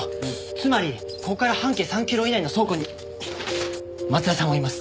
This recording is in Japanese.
つまりここから半径３キロ以内の倉庫に松田さんはいます！